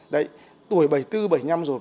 đấy tuổi bảy mươi bốn bảy mươi năm rồi